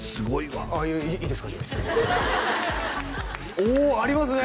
おおありますね！